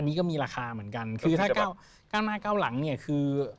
อันนี้ก็มีราคาเหมือนกันคือถ้าก้าวหน้าก้าวหลังเนี่ยคือ